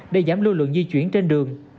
để giảm lưu lượng di chuyển trên đường